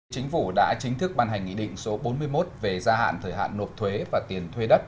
chính phủ đã chính thức ban hành nghị định số bốn mươi một về gia hạn thời hạn nộp thuế và tiền thuê đất